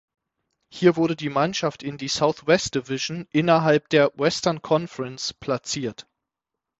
Hier wurde die Mannschaft in die "Southwest Division" innerhalb der "Western Conference" platziert.